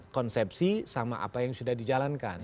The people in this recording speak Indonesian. konsepsi sama apa yang sudah dijalankan